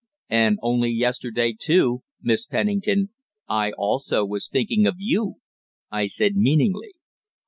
"And only yesterday, too, Miss Pennington, I also was thinking of you," I said meaningly.